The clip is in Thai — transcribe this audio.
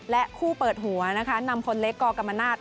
และคู่เปิดหัวนะคะนำคนเล็กกกรรมนาศ